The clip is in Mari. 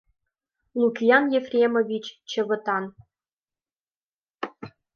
Лукиан Ефремович Чывытан...